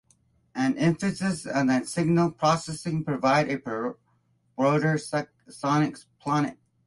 An emphasis on signal processing provided a broader sonic palette.